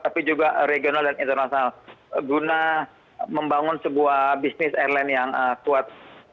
tapi juga regional dan internasional guna membangun sebuah bisnis airline yang kuat